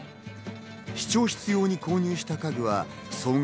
市長室用に購入した家具は総額